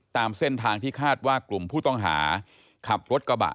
ตามเส้นทางที่คาดว่ากลุ่มผู้ต้องหาขับรถกระบะ